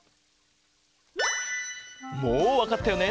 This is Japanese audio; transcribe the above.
もうわかったよね？